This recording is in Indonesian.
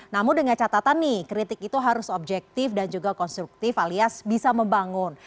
namun dengan catatan nih kritik itu harus objektif dan juga konstruktif alias bisa membangun